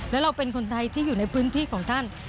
และเราเป็นคนไทยที่อยู่ในพื้นที่ของท่าน